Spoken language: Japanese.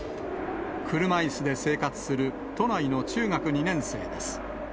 車いすで生活する都内の中学２年生です。